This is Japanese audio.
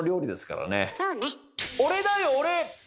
俺だよ俺！